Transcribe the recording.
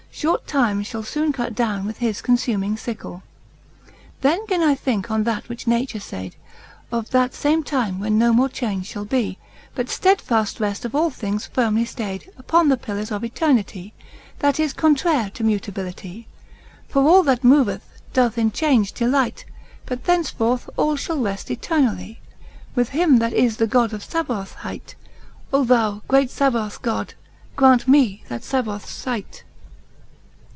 Short Time fhall foon cut down with his confuming fickle. II. Then gin I think on that, which Nature fayd, Of that fame time, when no more Change fhall be, But fledfafl reft of all things firmely ftay'd Upon the pillours of eternity, J That is contrayr to Mutabilitie :\ For all that moveth, doth in Change delight : But thence forth all fhall reft eternally With him, that is the God of fabbaoth hight : O ! that great fabbaoth God, grant me that fabbaoths fight.